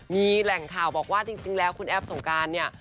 มีแหล่งข่าวบอกว่าจริงแล้วคุณแอฟสงการเนี่ย